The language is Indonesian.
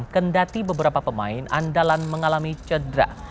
kendati beberapa pemain andalan mengalami cedera